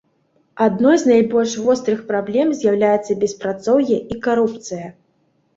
Адной з найбольш вострых праблем з'яўляецца беспрацоўе і карупцыя.